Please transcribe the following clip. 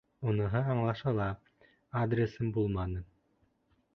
Уныһы аңлашыла — адресым булманы.